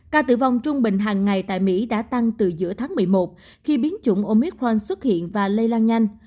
ca tử vong trung bình hàng ngày tại mỹ đã tăng từ giữa tháng một mươi một khi biến chủng omitrank xuất hiện và lây lan nhanh